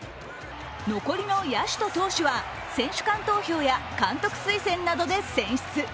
残りの野手と投手は選手間投票や監督推薦などで選出。